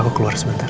aku keluar sebentar